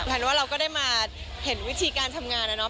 ว่าเราก็ได้มาเห็นวิธีการทำงานนะเนาะ